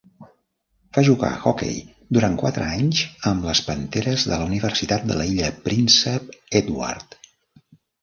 Va jugar hoquei durant quatre anys amb les Panteres de la Universitat de l'illa Príncep Edward.